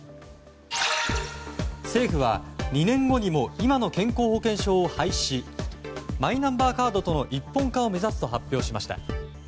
政府は２年後にも今の健康保険証を廃止しマイナンバーカードとの一本化を目指すと発表しました。